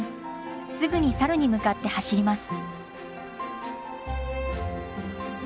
すぐにサルに向かって走ります。